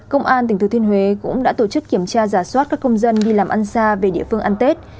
công an tỉnh thừa thiên huế cũng đã tổ chức kiểm tra giả soát các công dân đi làm ăn xa về địa phương ăn tết